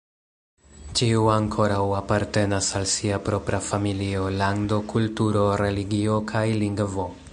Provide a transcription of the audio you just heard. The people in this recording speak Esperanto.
Ĉiu ankoraŭ apartenas al sia propra familio, lando, kulturo, religio, kaj lingvo.